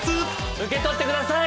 受け取ってください。